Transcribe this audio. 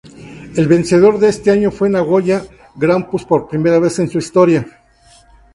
El vencedor de ese año fue Nagoya Grampus, por primera vez en su historia.